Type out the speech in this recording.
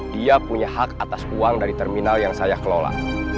dia punya hak atas uang dari terminal yang saya kelola